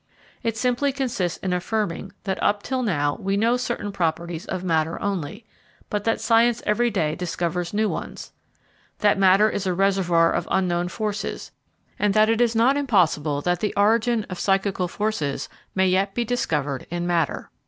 It simply consists in affirming that up till now we know certain properties of matter only, but that science every day discovers new ones; that matter is a reservoir of unknown forces, and that it is not impossible that the origin of psychical forces may yet be discovered in matter.